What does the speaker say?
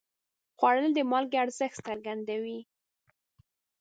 خوړل د مالګې ارزښت څرګندوي